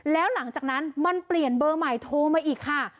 แล้วหลังจากนั้นมันเปลี่ยนเบอร์ใหม่โทรมาอีกค่ะ